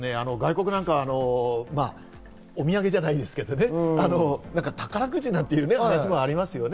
外国なんかは、お土産じゃないですけど、宝くじなんていう話もありますね。